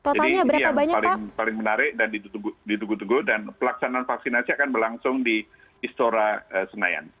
jadi ini yang paling menarik dan dituguh tuguh dan pelaksanaan vaksinasi akan berlangsung di istora senayan